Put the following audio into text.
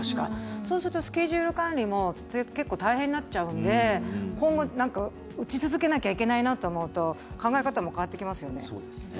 そうするとスケジュール管理も結構大変になっちゃうんで今後、打ち続けなきゃいけないなと思うと考え方も変わってきますよね。